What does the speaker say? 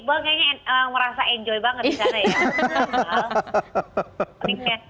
bang kayaknya merasa enjoy banget di sana ya